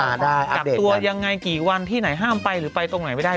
อ่าได้อัพเดทกันกลับตัวยังไงกี่วันที่ไหนห้ามไปหรือไปตรงไหนไม่ได้